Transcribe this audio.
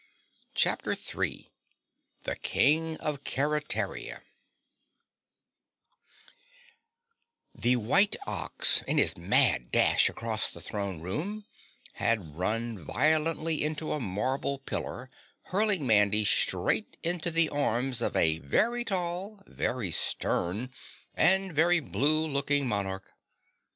CHAPTER 3 The King of Keretaria The white ox in his mad dash across the throne room had run violently into a marble pillar, hurling Mandy straight into the arms of a very tall, very stern, and very blue looking monarch.